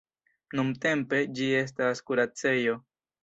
Nuntempe ĝi estas kuracejo.